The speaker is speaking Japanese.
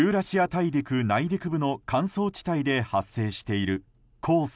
大陸内陸部の乾燥地帯で発生している黄砂。